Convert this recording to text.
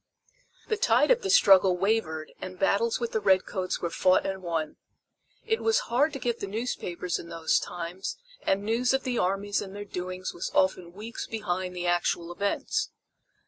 The tide of the struggle wavered and battles with the red coats were fought and won. It was hard to get the newspapers in those times and news of the armies and their doings was often weeks behind the actual events.